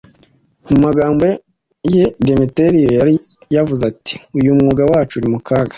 Mu magambo ye, Demetiriyo yari yavuze ati: “Uyu mwuga wacu uri mu kaga.”